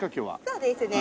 そうですね。